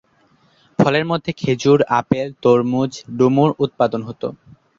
ফলের মধ্যে খেজুর, আপেল, তরমুজ, ডুমুর উৎপাদন হত।